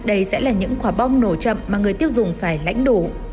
đây sẽ là những quả bong nổ chậm mà người tiếp dùng phải lãnh đủ